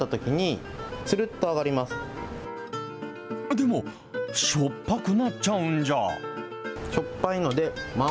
でも、しょっぱくなっちゃうんじゃ。